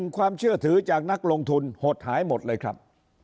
ความเชื่อถือจากนักลงทุนหดหายหมดเลยครับ